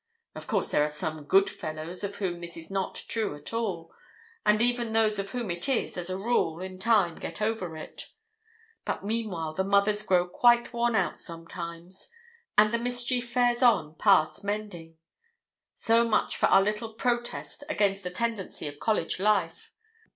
Of course there are some good fellows of whom this is not true at all, and even those of whom it is, as a rule, in time get over it; but meanwhile the mothers grow quite worn out sometimes, and the mischief fares on past mending. So much for our little protest against a tendency of college life.